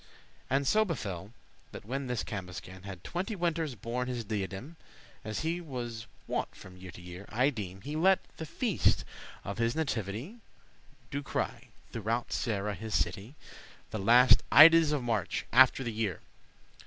And so befell, that when this Cambuscan Had twenty winters borne his diadem, As he was wont from year to year, I deem, He let *the feast of his nativity* *his birthday party* *Do crye,* throughout Sarra his city, *be proclaimed* The last Idus of March, after the year.